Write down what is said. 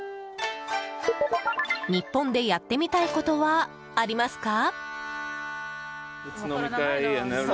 日本でやってみたいことはありますか？